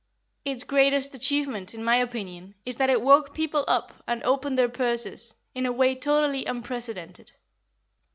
Its greatest achievement in my opinion is that it woke people up and opened their purses, in a way totally unprecedented.